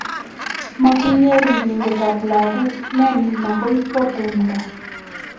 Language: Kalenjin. Matinye ribindet ab lakok neni makoi kwo tumdo